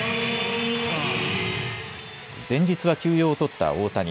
前日は休養を取った大谷。